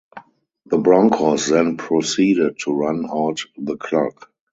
The Broncos then proceeded to run out the clock.